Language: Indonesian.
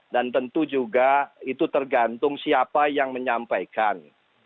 tentu juga itu tergantung siapa yang menyampaikan